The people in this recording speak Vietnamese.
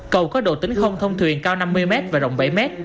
cầu có độ tính không thông thuyền cao năm mươi m và rộng bảy m